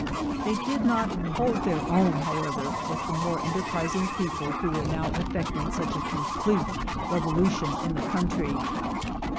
They did not "hold their own," however, with the more enterprising people who were now effecting such a complete revolution in the country.